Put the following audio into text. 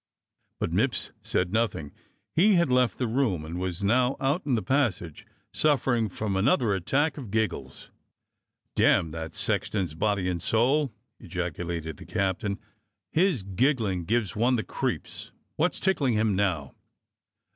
But Mipps said nothing; he had left the room and was now out in the passage, suffering from another attack of giggles. "Damn that sexton's body and soul!" ejaculated the captain; "his giggling gives one the creeps. What's tickling him now.